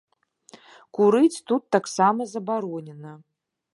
Курыць тут таксама забаронена.